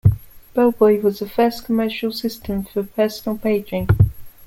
Bellboy was the first commercial system for personal paging.